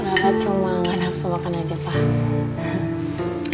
ada cuma gak nafsu makan aja pak